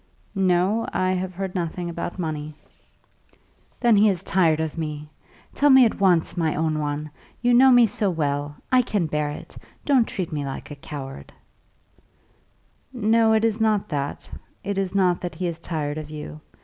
"No; I have heard nothing about money." "Then he is tired of me. Tell me at once, my own one. You know me so well. You know I can bear it. Don't treat me as though I were a coward." "No; it is not that. It is not that he is tired of you.